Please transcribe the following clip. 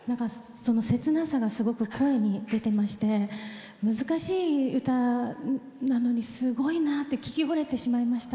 切なさがすごく声に出てまして難しい歌なのに、すごいなって聴きほれてしまいました。